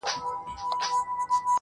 د جګو غرونو، شنو لمنو، غرڅنۍ سندري!!